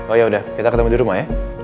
oh yaudah kita ketemu di rumah ya